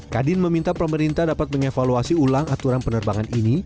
kadin meminta pemerintah dapat mengevaluasi ulang aturan penerbangan ini